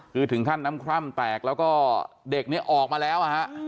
คือถึงขั้นน้ำคร่ำแตกแล้วก็เด็กเนี่ยออกมาแล้ว